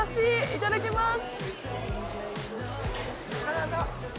いただきます！